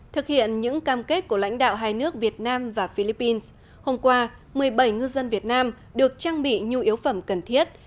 thực hiện những cam kết của lãnh đạo hai nước việt nam và philippines hôm qua một mươi bảy ngư dân việt nam được trang bị nhu yếu phẩm cần thiết